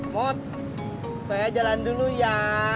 mot saya jalan dulu ya